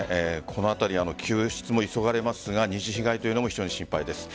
救出も急がれますが２次被害も非常に心配です。